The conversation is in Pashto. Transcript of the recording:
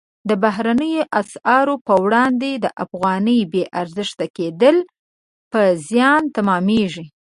د بهرنیو اسعارو پر وړاندې د افغانۍ بې ارزښته کېدل په زیان تمامیږي.